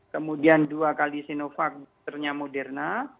kemudian dua kali sinovac boosternya moderna